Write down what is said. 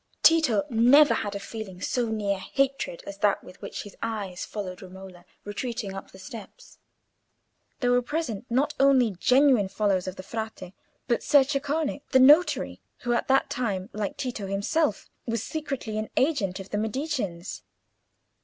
Tito never had a feeling so near hatred as that with which his eyes followed Romola retreating up the steps. There were present not only genuine followers of the Frate, but Ser Ceccone, the notary, who at that time, like Tito himself, was secretly an agent of the Mediceans.